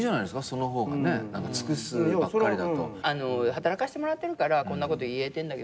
働かしてもらってるからこんなこと言えてんだけどさ